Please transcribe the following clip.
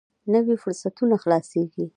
نوي فرصتونه خلاصېږي.